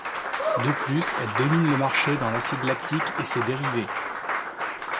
De plus, elle domine le marché dans l'acide lactique et ses dérivés.